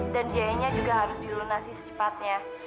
dan biayanya juga harus dilunasi secepatnya